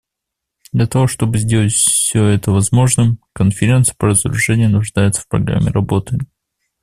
Для того чтобы сделать все это возможным, Конференция по разоружению нуждается в программе работы.